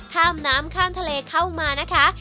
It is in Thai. ข้ามน้ำข้ามทะเลเข้ามานะคะ